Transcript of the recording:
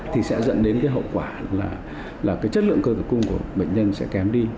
thì sẽ dẫn đến cái hậu quả là cái chất lượng cơ tử cung của bệnh nhân sẽ kém đi